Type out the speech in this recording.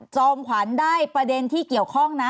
จอมขวัญได้ประเด็นที่เกี่ยวข้องนะ